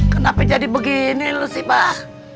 kenapa jadi begini lu sih pak